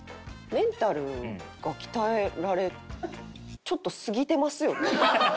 メンタルが鍛えられちょっとすぎてますよね。